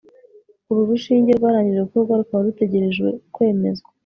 uru rushinge rwarangije gukorwa rukaba rutegereje kwemezwa